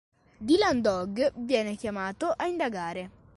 Dylan Dog viene chiamato a indagare.